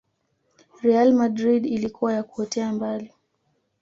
Real Madrid ilikuwa ya kuotea mbali